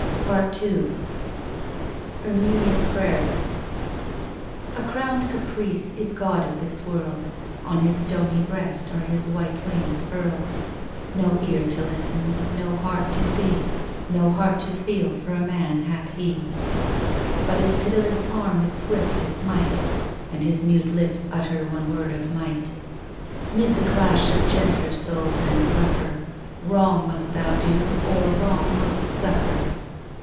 PART II EERMINIA'S PRATER A crowned Caprice is god of this world; On his stony breast are his white wings furled; No ear to listen, no heart to see, No heart to feel for a man hath Tie. But his pitiless arm is swift to smite; And his mute lips utter one word of might. ' Mid the clash of gentler souls and rougher Wrong must thou do, or wrong must suffer.'